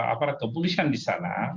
aparat kepolisian di sana